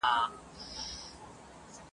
د اسمان په خوښه دلته اوسېده دي ..